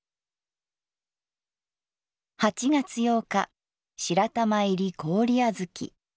８月８日「白玉入り氷あづき」。